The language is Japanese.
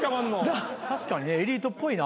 確かにエリートっぽいな。